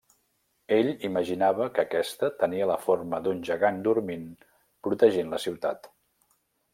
Ell imaginava que aquesta tenia la forma d'un gegant dormint protegint la ciutat.